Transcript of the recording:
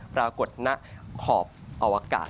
ปรากฏณขอบอวกาศ